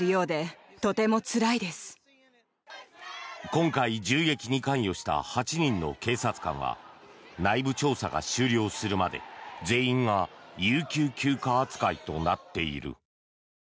今回、銃撃に関与した８人の警察官は内部調査が終了するまで、全員が有給休暇扱いとなっている。